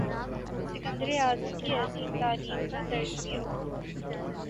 سکندر اعظم کی عظیم تعلیم کا درس لیا